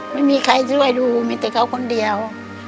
ไม่มีใครช่วยดูมีแต่เขาคนเดียว